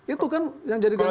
itu kan yang jadi gampang